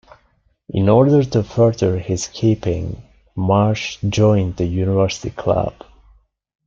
In order to further his keeping, Marsh joined the University club.